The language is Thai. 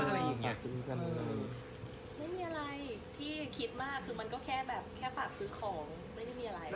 ไม่ได้มีอะไรพี่คิดมากมันก็แค่ฝากซื้อของไม่ได้มีอะไร